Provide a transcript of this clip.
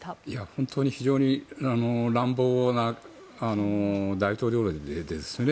本当に非常に乱暴な大統領令ですよね。